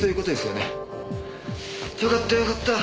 よかったよかった。